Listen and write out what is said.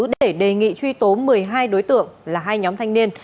để đề nghị truy tố một mươi hai đối tượng là hai nhóm thanh niên